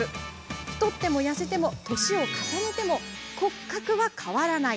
太っても痩せても年を重ねても骨格は変わらない。